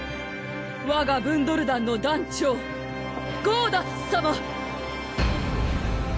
わがブンドル団の団長・ゴーダッツさま